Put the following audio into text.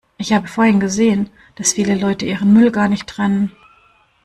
Ich habe vorhin gesehen, dass viele Leute ihren Müll gar nicht trennen.